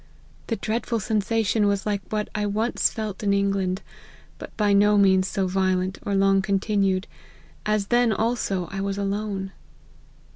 The dreadful sensation was like what I once felt in England, but by no means so violent or long continued ; as then, also, I was alone.